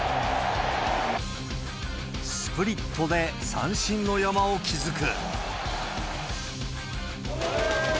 スプリットで三振の山を築く。